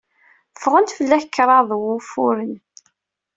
Ffreɣ fell-ak kraḍ wufuren.